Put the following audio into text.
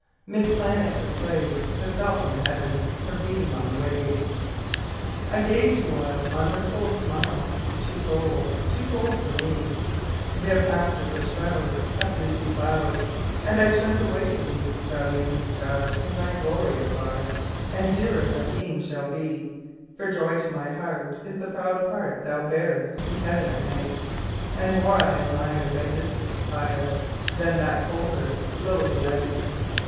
'Mid planets her slaves, Herself in the Heavens, Her beam on the waves. I gazed awhile On her cold smile; Too cold—too cold for me— There passed, as a shroud, A fleecy cloud, And I turned away to thee, Proud Evening Star, In thy glory afar And dearer thy beam shall be; For joy to my heart Is the proud part Thou bearest in Heaven at night, And more I admire Thy distant fire, Than that colder, lowly light.